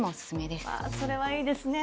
それはいいですね。